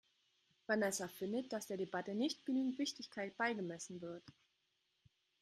Vanessa findet, dass der Debatte nicht genügend Wichtigkeit beigemessen wird.